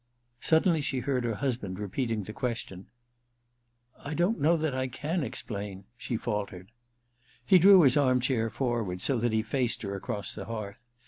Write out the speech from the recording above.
Suddenly she heard her husband repeating his question. *I don't know that I can explain,' she faltered. He drew his arm chair forward so that he faced her across the hearth.